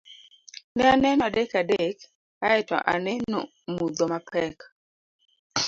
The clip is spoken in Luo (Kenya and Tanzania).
ne aneno adek adek ayeto aneno mudho mapek